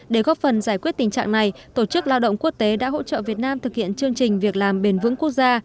để góp phần giải quyết tình trạng này tổ chức lao động quốc tế đã hỗ trợ việt nam thực hiện chương trình việc làm bền vững quốc gia